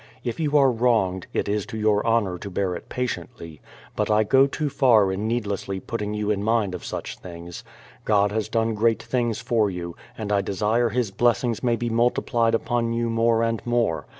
If you are wronged, it is to your honour to bear it patiently; but I go too far in need lessly putting you in mind of such things. God has done great things for you, and I desire His blessings may be multiplied upon you more and more.